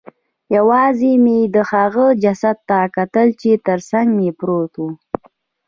یوازې مې د هغې جسد ته کتل چې ترڅنګ مې پروت و